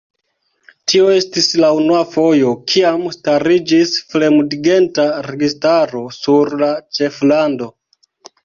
Tio estis la unua fojo kiam stariĝis fremdgenta registaro sur la ĉeflando.